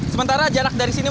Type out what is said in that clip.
sementara jarak dari sini